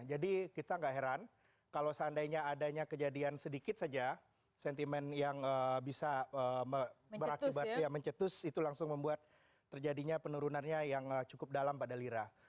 jadi kita gak heran kalau seandainya adanya kejadian sedikit saja sentimen yang bisa mencetus itu langsung membuat terjadinya penurunannya yang cukup dalam pada lira